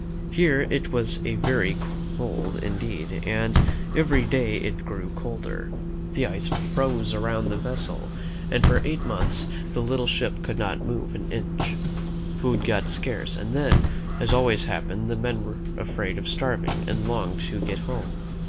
Here it was very cold indeed, and every day it grew colder. The ice froze around the vessel, and for eight months the little ship could not move an inch. Food got scarce, and then, as always happens, the men were afraid of starving and longed to get home.